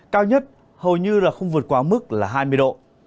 cao nhất hầu như là không vượt quá mức là hai mươi độ